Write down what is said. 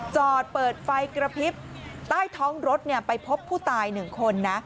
จอดเปิดไฟกระพริบใต้ท้องรถไปพบผู้ตาย๑คนนะ